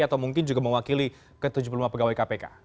atau mungkin juga mewakili ke tujuh puluh lima pegawai kpk